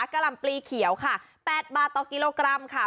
กล่ำปลีเขียวค่ะ๘บาทต่อกิโลกรัมค่ะ